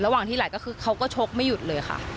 ระหว่างที่ไหลก็คือเขาก็ชกไม่หยุดเลยค่ะ